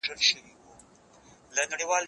هغه څوک چي کتابونه ليکي پوهه زياتوي